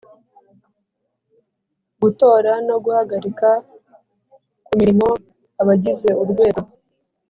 Gutora no guhagarika ku mirimo abagize urwego